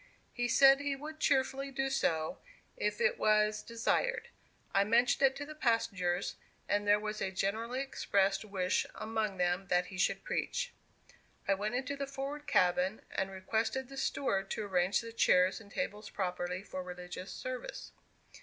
He said he would cheerfully do so if it was desired. I mentioned it to the passengers, and there was a generally expressed wish among them that he should preach. I went into the forward cabin, and requested the steward to arrange the chairs and tables properly for religious service.